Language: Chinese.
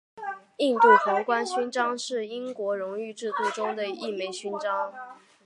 印度皇冠勋章是英国荣誉制度中的一枚勋章。